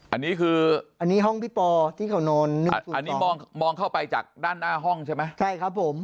อันนี้คือมองเข้าไปจากด้านหน้าห้องใช่ไหมใช่ครับผม